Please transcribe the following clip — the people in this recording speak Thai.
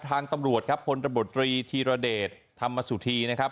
ทางตำรวจครับพลตบตรีธีรเดชธรรมสุธีนะครับ